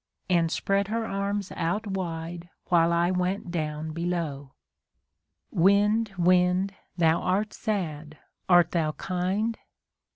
And spread her arms out wide while I went down below. Windf wind! thou art sad, art thou kind?